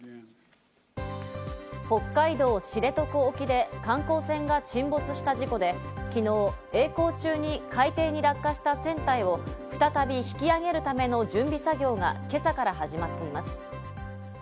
北海道知床沖で観光船が沈没した事故で、昨日、えい航中に海底に落下した船体を再び引き上げるための準備作業が今朝から始まっています。